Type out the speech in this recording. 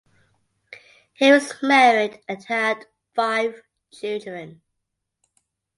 He was married and had five children.